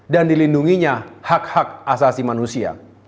dan dilindunginya hak hak asasi manusia